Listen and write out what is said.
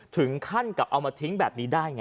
ถึงขั้นกับเอามาทิ้งแบบนี้ได้ไง